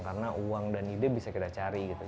karena uang dan ide bisa kita cari gitu